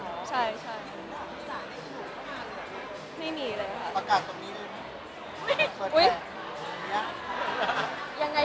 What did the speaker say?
แช่งเราก็จะไม่พร้อมหรือคิดว่าจะมีแฟนในช่วงนี้ใช้มีเข้าคลิกสาหารได้หรือเปล่า